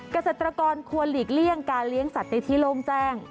เกษตรกรควรหลีกเลี่ยงการเลี้ยงสัตว์ในที่โล่งแจ้ง